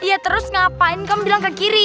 iya terus ngapain kamu bilang ke kiri